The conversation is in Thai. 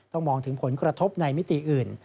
มองถึงผลกระทบในมิติอื่น